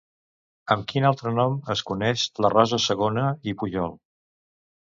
Amb quin altre nom es coneix la Rosa Segona i Pujol?